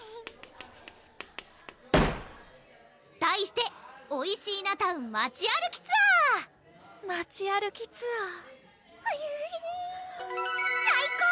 題して「おいしーなタウン街歩きツアー！」街歩きツアー最高！